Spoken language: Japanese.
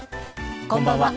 こんばんは。